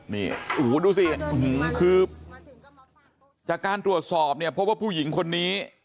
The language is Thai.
นี่โอ้โหดูสิคือจากการตรวจสอบเนี่ยพบว่าผู้หญิงคนนี้